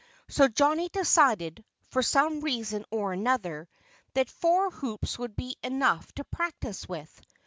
So Johnnie decided, for some reason or other, that four hoops would be enough to practice with.